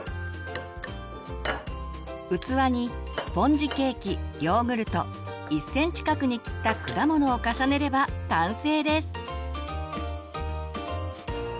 器にスポンジケーキヨーグルト１センチ角に切った果物を重ねれば完成です。